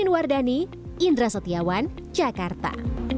berkumpul bersama keluarga